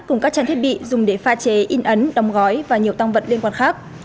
cùng các trang thiết bị dùng để pha chế in ấn đóng gói và nhiều tăng vật liên quan khác